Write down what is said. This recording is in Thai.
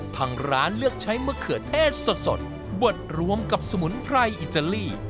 ทางร้านเลือกใช้มะเขือเทศสดบดรวมกับสมุนไพรอิตาลี